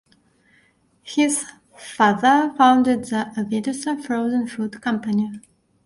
His father founded the Avidesa frozen food company.